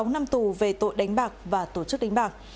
sáu năm tù về tội đánh bạc và tổ chức đánh bạc